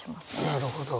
なるほど。